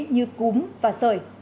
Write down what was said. như cúm và sợi